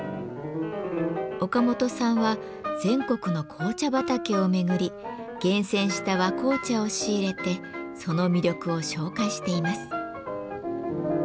岡本さんは全国の紅茶畑を巡り厳選した和紅茶を仕入れてその魅力を紹介しています。